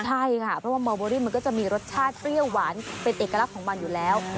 ใช่ค่ะเพราะว่าเมาเบอรี่มันก็จะมีรสชาติเปรี้ยวหวานเป็นเอกลักษณ์ของมันอยู่แล้ว